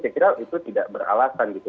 saya kira itu tidak beralasan gitu